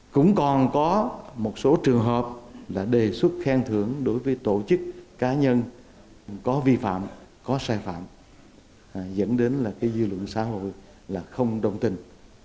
cũng còn có một số trường hợp là đề xuất khen thưởng đối với tổ chức cá nhân có vi phạm có sai phạm dẫn đến là cái dư lượng xã hội là không đồng tình